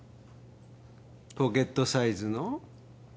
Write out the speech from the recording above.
ポケットサイズの？